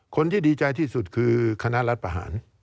คนที่ดีใจที่สุดคือคณะรัฐประหาร